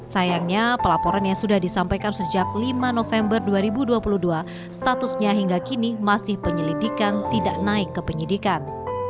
sayangnya pelaporan yang sudah disampaikan sejak lima november dua ribu dua puluh dua statusnya hingga kini masih penyelidikan tidak naik ke penyidikan